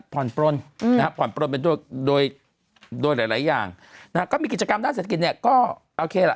ผ่อนปล้นผ่อนปล้นไปโดยโดยหลายอย่างก็มีกิจกรรมด้านเศรษฐกิจเนี่ยก็โอเคละ